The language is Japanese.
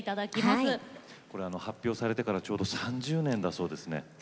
発表されてからちょうど３０年だそうですね。